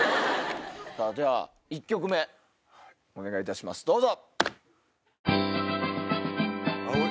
じゃあ１曲目お願いいたしますどうぞ。